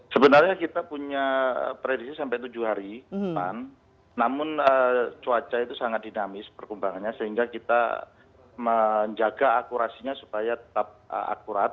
sebenarnya kita punya prediksi sampai tujuh hari ke depan namun cuaca itu sangat dinamis perkembangannya sehingga kita menjaga akurasinya supaya tetap akurat